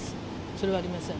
それはありません。